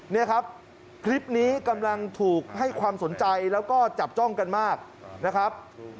นี่ครับคลิปนี้กำลังถูกให้ความสนใจแล้วก็จับจ้องกันมากนะครับ